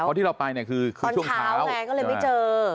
เพราะที่เราไปเนี่ยคือช่วงเช้าไงก็เลยไม่เจอ